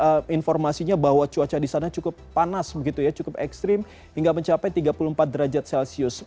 apakah informasinya bahwa cuaca di sana cukup panas begitu ya cukup ekstrim hingga mencapai tiga puluh empat derajat celcius